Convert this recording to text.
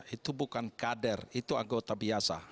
itu bukan kader itu anggota biasa